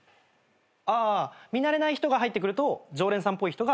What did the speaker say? ああ見慣れない人が入ってくると常連さんっぽい人が見てくる。